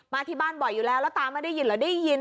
ที่บ้านบ่อยอยู่แล้วแล้วตาไม่ได้ยินเหรอได้ยิน